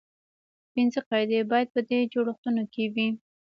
پنځه قاعدې باید په دې جوړښتونو کې وي.